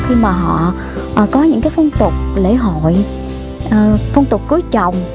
khi mà họ có những phong tục lễ hội phong tục cưới chồng